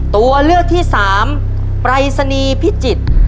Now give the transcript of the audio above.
ตัวเลือกที่สามปรายศนีย์พิจิตร